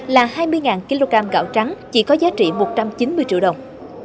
là hai mươi kg gạo trắng chỉ có giá trị một trăm chín mươi triệu đồng